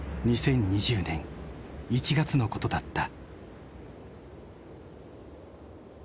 ２０２０年１月のことだった。